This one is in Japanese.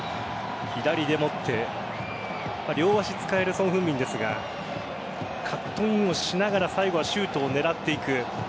左で持って両足使えるソン・フンミンですがカットインをしながら最後はシュートを狙っていく。